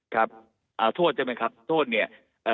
ครับโทษใช่ไหมครับโทษเนี่ย